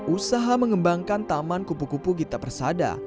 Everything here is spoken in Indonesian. usaha mengembangkan taman kupu kupu gita persada